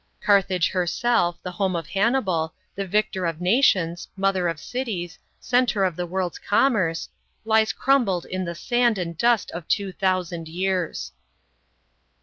Carthage herself, the home of Hannibal, the victor of nations, mother of cities, centre of the world's commerce, lies crumbled in the sand and dust of two thousand years.